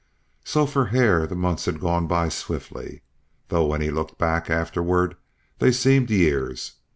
So for Hare the months had gone by swiftly; though when he looked back afterward they seemed years.